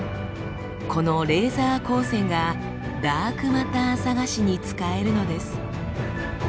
このレーザー光線がダークマター探しに使えるのです。